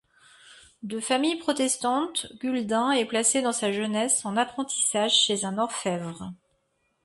De famille protestante, Guldin est placé dans sa jeunesse en apprentissage chez un orfèvre.